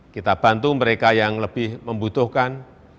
kita bantu mereka yang lebih membutuhkan